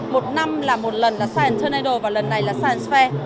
một năm là một lần là science tornado và lần này là science fair